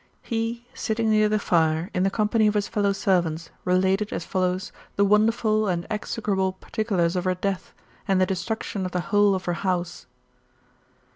He, sitting near the fire, in the company of liis fellow servants, related, as follows, .the wonderful and execrable particulars of her death, and the destruction of the whole of her house.